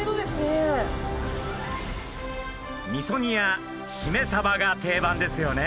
みそ煮やシメサバが定番ですよね。